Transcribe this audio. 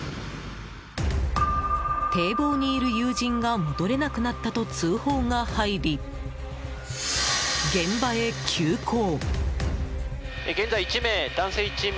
堤防にいる友人が戻れなくなったと通報が入り現場へ急行。